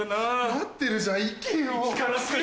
待ってるじゃんいけよ！